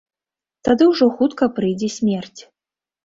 Тады ўжо хутка прыйдзе смерць.